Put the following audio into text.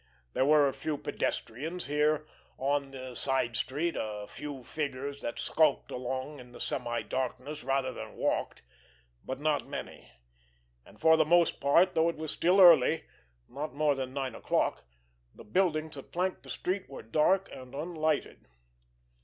There were a few pedestrians here on the side street, a few figures that skulked along in the semi darkness, rather than walked, but not many; and for the most part, though it was still early, not more than nine o'clock, the buildings that flanked the street were dark and unlighted.